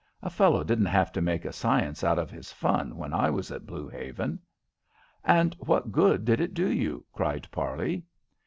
A fellow didn't have to make a science out of his fun when I was at Blue Haven." "And what good did it do you?" cried Parley.